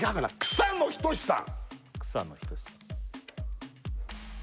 草野仁さん